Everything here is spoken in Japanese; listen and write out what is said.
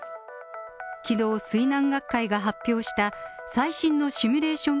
昨日、水難学会が発表した最新のシミュレーション